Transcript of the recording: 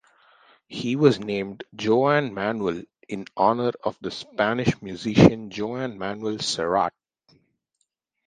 He was named Joan Manuel in honor of the Spanish musician Joan Manuel Serrat.